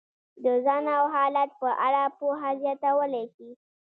د ځان او حالت په اړه پوهه زیاتولی شي.